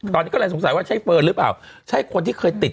ตอนนี้ก็เลยสงสัยว่าใช่เฟิร์นหรือเปล่าใช่คนที่เคยติด